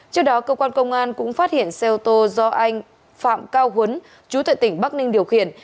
trước đó công an tp thái nguyên cũng phát hiện xe ô tô do anh phạm cao huấn chú tại tỉnh bắc ninh điều khiển